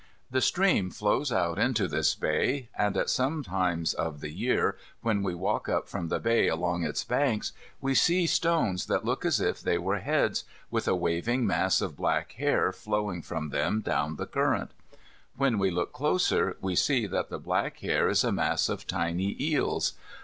The stream flows out into this bay, and at some times of the year, when we walk up from the bay along its banks, we see stones that look as if they were heads, with a waving mass of black hair flowing from them down the current. When we look closer, we see that the black hair is a mass of tiny eels.